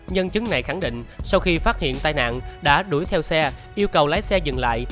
nhân chứng này khẳng định sau khi phát hiện tai nạn đã đuổi theo xe yêu cầu lái xe dừng lại